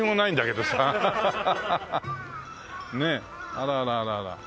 あらあらあらあら。